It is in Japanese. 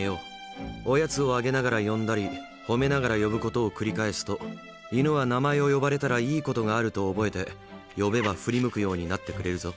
おやつをあげながら呼んだり褒めながら呼ぶことを繰り返すと犬は名前を呼ばれたらいいことがあると覚えて呼べば振り向くようになってくれるぞ。